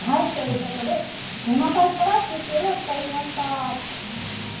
ということで、テーマパークから中継でお伝えしました。